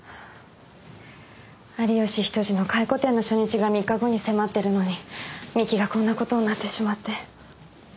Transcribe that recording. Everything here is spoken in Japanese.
有吉比登治の回顧展の初日が３日後に迫ってるのに三木がこんなことになってしまって。